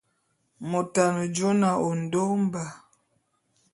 Mot ane jôé na Ondo Mba.